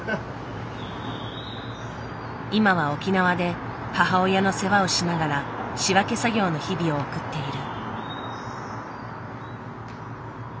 今は沖縄で母親の世話をしながら仕分け作業の日々を送っている。